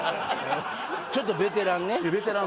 ちょっとベテランねベテラン